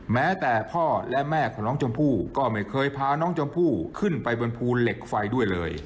แม้แต่พ่อและแม่ของน้องชมพู่ก็ไม่เคยพาน้องชมพู่ขึ้นไปบนภูเหล็กไฟด้วยเลย